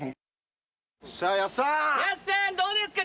安さんどうですか？